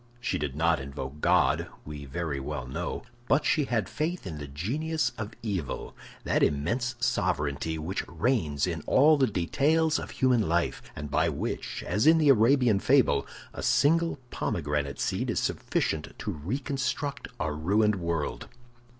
She did not invoke God, we very well know, but she had faith in the genius of evil—that immense sovereignty which reigns in all the details of human life, and by which, as in the Arabian fable, a single pomegranate seed is sufficient to reconstruct a ruined world.